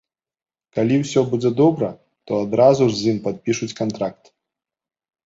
Калі ўсё будзе добра, то адразу ж з ім падпішуць кантракт.